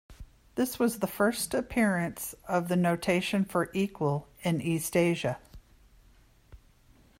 This was the first appearance of the notation for equal in East Asia.